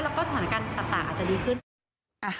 แล้วก็สถานการณ์ต่างอาจจะดีขึ้น